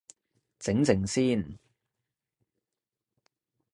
靜靜先